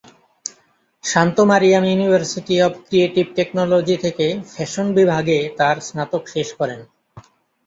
Shanto-Mariam university of creative technology থেকে fashion বিভাগে তার স্নাতক শেষ করেন।